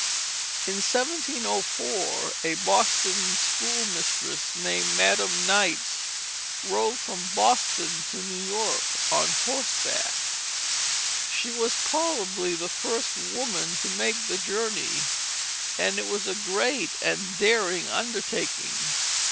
In 1704 a Boston schoolmistress named Madam Knights rode from Boston to New York on horseback. She was probably the first woman to make the journey, and it was a great and daring undertaking.